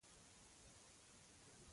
پرمختګ له بدلون پرته ناشونی دی.